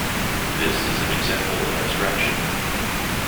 This is an example of abstraction.